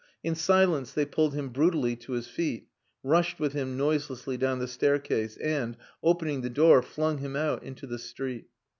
In silence they pulled him brutally to his feet, rushed with him noiselessly down the staircase, and, opening the door, flung him out into the street.